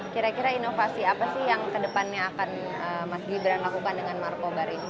kira kira inovasi apa sih yang kedepannya akan mas gibran lakukan dengan markobar ini